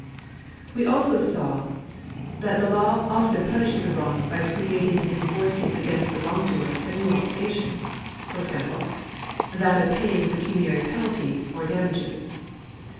i^ Wc also saw tliat the law often punishes a wrong by creat ing and enforcing against the wrongdoer a new obligation : for example, that of paying a pecuniary penalty or damages.